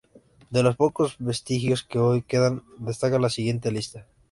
De los pocos vestigios que hoy quedan, destaca la siguiente lista.